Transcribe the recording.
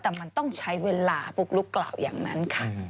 แต่มันต้องใช้เวลาปุ๊กลุ๊กกล่าวอย่างนั้นค่ะ